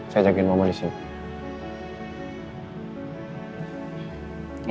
saya jagain mama disini